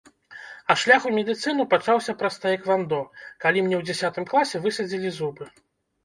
А шлях у медыцыну пачаўся праз таэквандо, калі мне ў дзясятым класе высадзілі зубы.